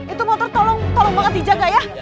itu motor tolong tolong banget dijaga ya